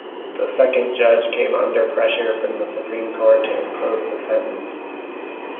The second judge came under pressure from the Supreme Court to impose the sentence.